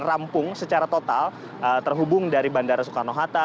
rampung secara total terhubung dari bandara soekarno hatta